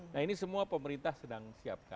nah ini semua pemerintah sedang siapkan